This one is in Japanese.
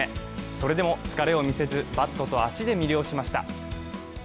それでも疲れを見せず、バットと足で魅了しました。